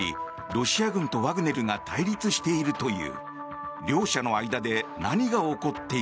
ロシア軍とワグネルが対立しているという。